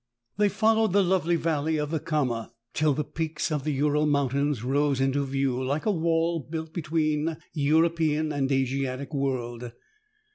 They followed the lovely valley of the Kama till the peaks of the Ural mountains rose into view, like a wall built between the European and Asiatic world.